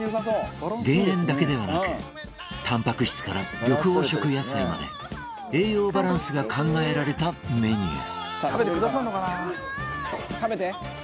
減塩だけではなくたんぱく質から緑黄色野菜まで栄養バランスが考えられたメニュー。